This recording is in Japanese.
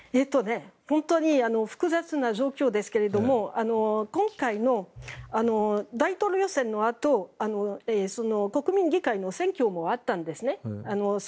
本当に複雑な状況ですけども今回の大統領選のあと国民議会の選挙もあったんですね。